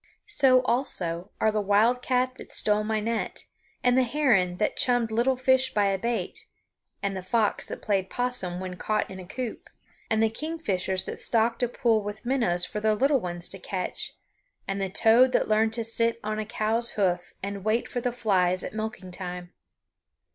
So also are the wildcat that stole my net, and the heron that chummed little fish by a bait, and the fox that played possum when caught in a coop, and the kingfishers that stocked a pool with minnows for their little ones to catch, and the toad that learned to sit on a cow's hoof and wait for the flies at milking time.